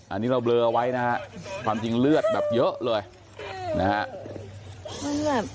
อันนี้เราเบลอไว้นะฮะความจริงเลือดแบบเยอะเลยนะฮะ